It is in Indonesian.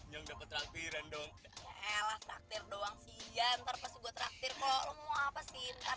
yang dapat traktiran dong elah takdir doang sih jantar pasti gue traktir kok lo mau apa sih ntar